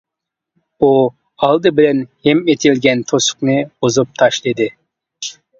ئۇ ئالدى بىلەن ھىم ئېتىلگەن توسۇقنى بۇزۇپ تاشلىدى.